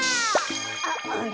あっあれ？